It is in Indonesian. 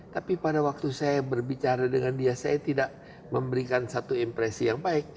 tapi pada waktu saya berbicara dengan dia saya tidak memberikan satu impresi yang baik